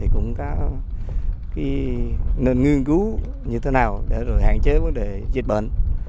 cũng có nên nghiên cứu như thế nào để hạn chế vấn đề dịch bệnh